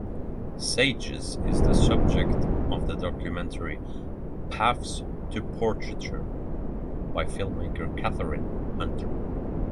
Sages is the subject of the documentary "Paths to Portraiture" by filmmaker Catherine Hunter.